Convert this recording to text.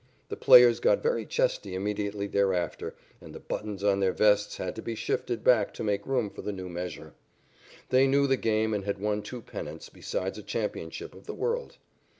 The players got very chesty immediately thereafter, and the buttons on their vests had to be shifted back to make room for the new measure. They knew the game and had won two pennants, besides a championship of the world.